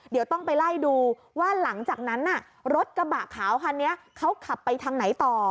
เดี๋ยวต้องไปไล่ดูว่าหลังจากนั้นรถกระบะขาวคันนี้เขาขับไปทางไหนต่อ